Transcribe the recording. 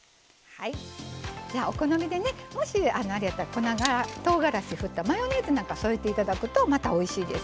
お好みでねもしあれやったら粉とうがらし振ったマヨネーズを添えていただくとまたおいしいです。